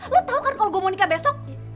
lo tau kan kalau gue mau nikah besok